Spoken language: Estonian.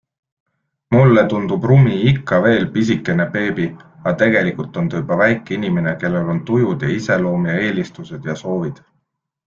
Mulle tundub Rumi ikka veel pisikene beebi, aga tegelikult on ta juba väike inimene, kellel on tujud ja iseloom ja eelistused ja soovid.